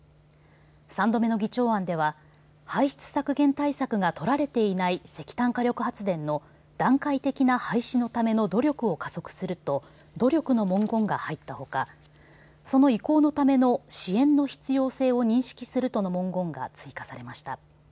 ３度目の議長案では排出削減対策が取られていない石炭火力発電の段階的な廃止のための努力を加速すると努力の文言が入ったほかその移行のための支援の必要性を認識するとの文言が追加されました。